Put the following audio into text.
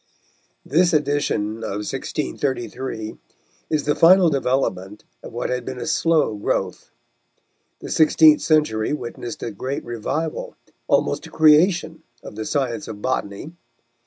This edition of 1633 is the final development of what had been a slow growth. The sixteenth century witnessed a great revival, almost a creation of the science of botany.